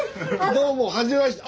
どうもはじめまして。